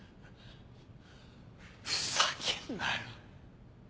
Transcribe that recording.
ふざけんなよ。